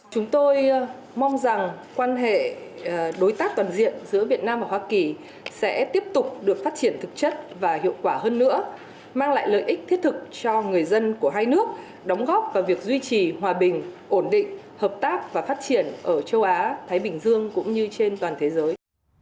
chúng tôi mong rằng quan hệ đối tác toàn diện giữa việt nam và hoa kỳ sẽ tiếp tục được phát triển thực chất và hiệu quả hơn nữa mang lại lợi ích thiết thực cho người dân của hai nước đóng góp vào việc duy trì hòa bình ổn định hợp tác và phát triển ở châu á thái bình dương cũng như trên toàn thế giới